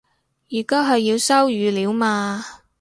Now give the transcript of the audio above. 而家係要收語料嘛